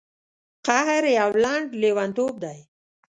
قهر یو لنډ لیونتوب دی.